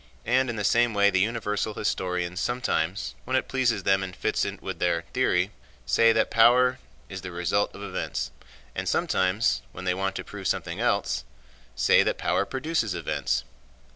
And in the same way the universal historians sometimes, when it pleases them and fits in with their theory, say that power is the result of events, and sometimes, when they want to prove something else, say that power produces events.